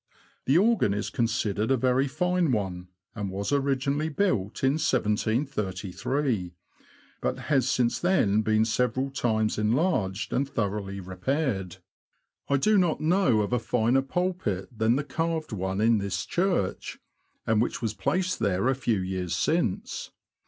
The organ is considered a very fine one, and was originally built in 1733, but has since then been several times enlarged and thoroughly repaired. I do not know of a finer pulpit than the carved one in this church, and which was placed there a few years since.